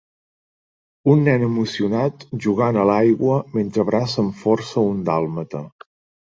Un nen emocionat jugant a l"aigua mentre abraça amb força un dàlmata.